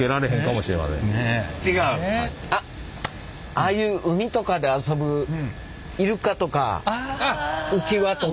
ああいう海とかで遊ぶイルカとか浮き輪とか。